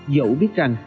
dẫu biết rằng